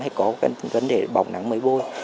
hay có vấn đề bỏng nắng mới bôi